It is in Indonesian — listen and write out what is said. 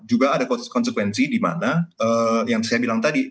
juga ada konsekuensi di mana yang saya bilang tadi